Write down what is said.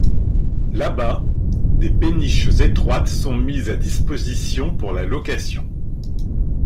Là-bas, des péniches étroites sont mises à disposition pour la location.